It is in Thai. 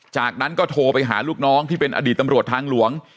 จากนั้นก็โทรไปหาลูกน้องที่เป็นอดีตตำรวจทางหลวง